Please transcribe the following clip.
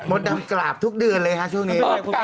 มดน้ำตาตกทุกเดือนเลยครับช่วงนี้